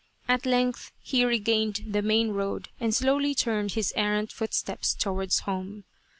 At length he regained the main road and slowly turned his errant footsteps towards home.